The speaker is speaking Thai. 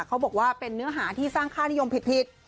เขาบอกว่าเป็นเนื้อหาที่สร้างค่านิยมผิด